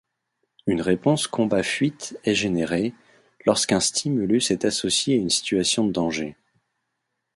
Une réponse combat-fuite est générée, lorsqu'un stimulus est associée à une situation de danger.